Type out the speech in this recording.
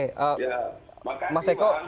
ya makasih bang